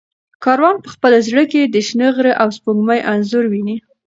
کاروان په خپل زړه کې د شنه غره او سپوږمۍ انځور ویني.